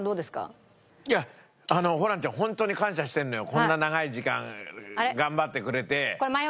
こんな長い時間頑張ってくれて。